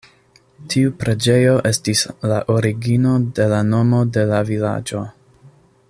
Tiu preĝejo estis la origino de la nomo de la vilaĝo.